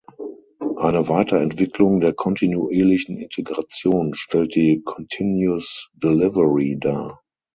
Eine Weiterentwicklung der kontinuierlichen Integration stellt die Continuous Delivery dar.